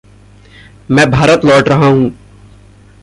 मैं भारत लौट रहा हूँ।